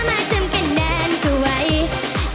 เพราะกันต้องมันมาหามาทำแค่นั้นก็ไหว